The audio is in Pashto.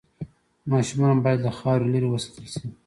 ماشومان باید له خاورو لرې وساتل شي۔